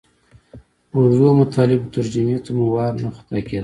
اوږدو مطالبو ترجمې ته مو وار نه خطا کېدئ.